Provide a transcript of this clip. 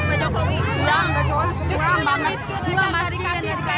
enggak adil pak jokowi